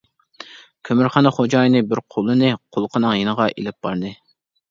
كۆمۈرخانا خوجايىنى بىر قولىنى قۇلىقىنىڭ يېنىغا ئېلىپ باردى.